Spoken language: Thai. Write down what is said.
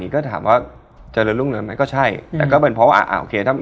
เขาเล่นไหม